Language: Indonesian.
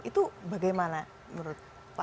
itu bagaimana menurut pak